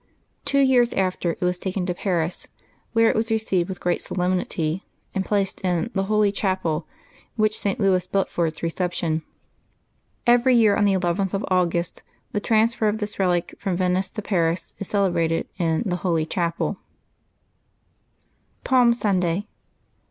Two years after, it was taken to Paris, where it was received with great solemnity and placed in the Holy Chapel, which St. Louis built for its reception. Every 5^ear, on the 11th of August, the transfer of this relic from Venice to Paris is celebrated in the Holy Chapel. 10 LIVES OF TEE SAINTS PALM SUNDAY.